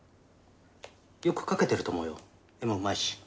よく描けてると思うよ絵もうまいし。